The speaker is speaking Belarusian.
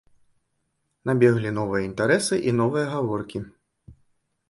Набеглі новыя інтарэсы і новыя гаворкі.